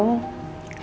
saya sudah berpikir pikir